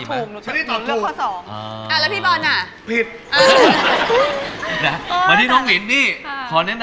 เลือกใครดีครับ